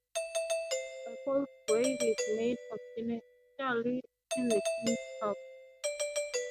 A false grave is made ostentatiously in the king's house.